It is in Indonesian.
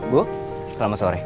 bu selamat sore